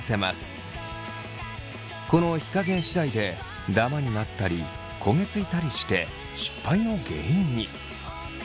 この火加減次第でダマになったり焦げ付いたりして失敗の原因に。